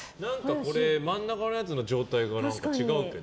これ、真ん中のやつの状態が違うけど。